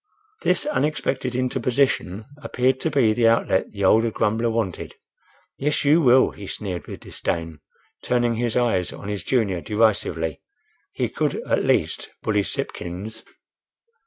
This unexpected interposition appeared to be the outlet the older grumbler wanted. "Yes, you will!" he sneered with disdain, turning his eyes on his junior derisively. He could at least bully Sipkins.